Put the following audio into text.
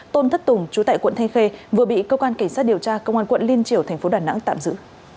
tôn thất tùng trú tại quận thây khê vừa bị cơ quan cảnh sát điều tra công an quận liên triều tp đà nẵng tạm giữ